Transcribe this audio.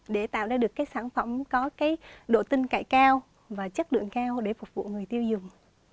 để tạo ra được sản phẩm có độ tinh cải cao và chất lượng cao để phục vụ người tiêu dùng